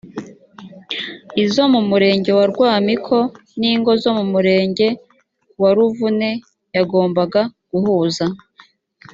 izo mu murenge wa rwamiko n’ingo zo mu murenge wa ruvune yagombaga guhuza